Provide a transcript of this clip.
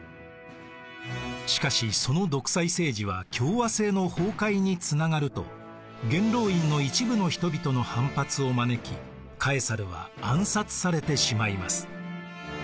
しかしその独裁政治は共和政の崩壊につながると元老院の一部の人々の反発を招きカエサルは暗殺されてしまいます。